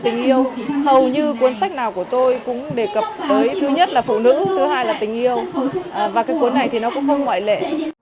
và cái cuốn này thì nó cũng không ngoại lệ